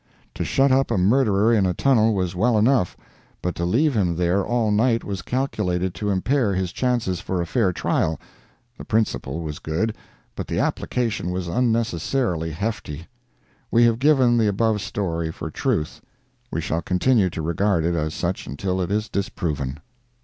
To shut up a murderer in a tunnel was well enough, but to leave him there all night was calculated to impair his chances for a fair trial—the principle was good, but the application was unnecessarily "hefty." We have given the above story for truth—we shall continue to regard it as such until it is disproven.